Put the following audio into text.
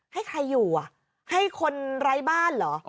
ให้ใครอยู่อ่ะให้คนไร้บ้านเหรอ